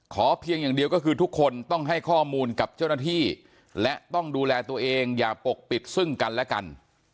เพียงอย่างเดียวก็คือทุกคนต้องให้ข้อมูลกับเจ้าหน้าที่และต้องดูแลตัวเองอย่าปกปิดซึ่งกันและกัน